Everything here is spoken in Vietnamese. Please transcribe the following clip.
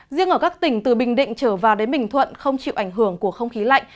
riêng ở các tỉnh từ bình định trở vào đến bình thuận không chịu ảnh hưởng của không khí lạnh